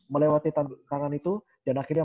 melewati tantangan itu dan akhirnya